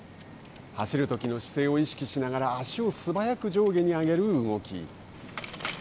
走るときの姿勢を意識しながら足を素早く上下に上げる動き。